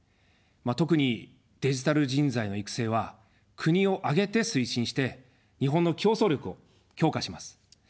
特にデジタル人材の育成は国を挙げて推進して、日本の競争力を強化します。